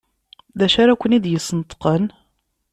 D acu ara ken-id-yesneṭqen?